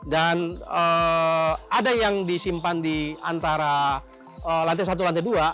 dan ada yang disimpan di antara lantai satu lantai dua